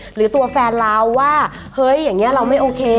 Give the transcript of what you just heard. หรือตัวแฟนเราว่าเฮ้ยอย่างนี้เราไม่โอเค